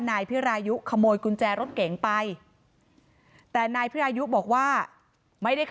นายสาราวุธคนก่อเหตุอยู่ที่บ้านกับนางสาวสุกัญญาก็คือภรรยาเขาอะนะคะ